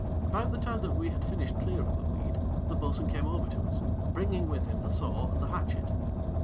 About the time that we had finished clearing the weed, the bo'sun came over to us, bringing with him the saw and the hatchet.